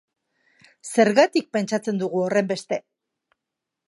Zergatik pentsatzen dugu horrenbeste?